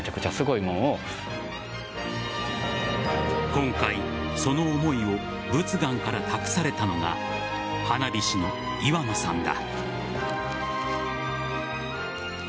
今回その思いを佛願から託されたのが花火師の岩野さんだ。